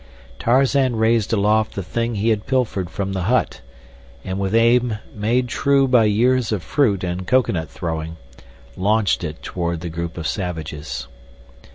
Tarzan raised aloft the thing he had pilfered from the hut, and, with aim made true by years of fruit and coconut throwing, launched it toward the group of savages.